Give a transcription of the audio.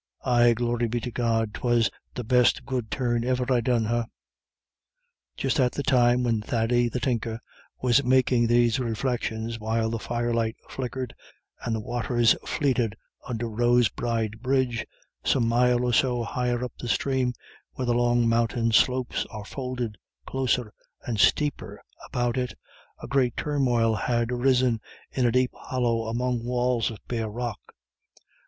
Ay, glory be to God, 'twas the best good turn iver I done her." Just at the time when Thady the Tinker was making these reflections while the firelight flickered and the waters fleeted under Rosbride bridge, some mile or so higher up the stream, where the long mountain slopes are folded closer and steeper about it, a great turmoil had arisen in a deep hollow among walls of the bare rock.